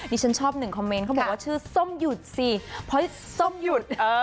ฉันชอบหนึ่งคอมเมนต์เขาบอกว่าชื่อส้มหยุดสิเพราะส้มหยุด